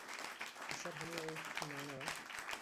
بەسەر هەموو ئەو ستوونانەوە